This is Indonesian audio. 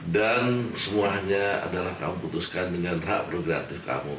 dan semuanya adalah kamu putuskan dengan hak progratif kamu